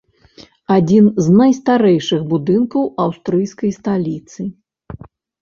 Адзін з найстарэйшых будынкаў аўстрыйскай сталіцы.